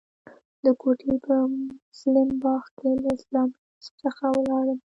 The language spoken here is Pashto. د کوټې په مسلم باغ کې له اسلامي حزب څخه ولاړم.